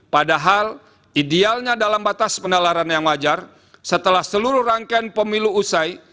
padahal idealnya dalam batas penalaran yang wajar setelah seluruh rangkaian pemilu usai